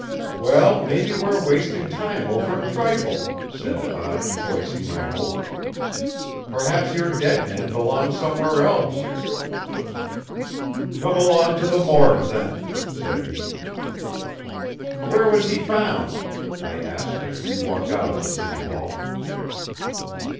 "Well, maybe we're wasting time over a trifle," said I, voicing my hope. "Perhaps your dead man belongs somewhere else." "Come along to the morgue, then," said he. "Where was he found?" I asked as we walked out of the City Hall.